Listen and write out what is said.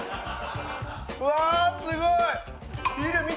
うわすごい！